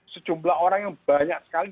sejumlah orang yang banyak sekali